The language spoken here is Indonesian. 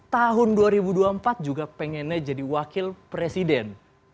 tahun dua ribu dua puluh empat juga pengennya jadi wakil presiden